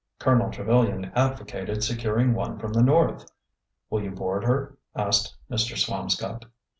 Colonel Trevilian advocated securing one from the North. Will you board her? '' asked Mr. Swamscott.